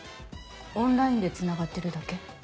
オンラインで繋がってるだけ？